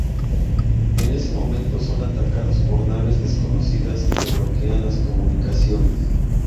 En ese momento son atacados por naves desconocidas que bloquean las comunicaciones.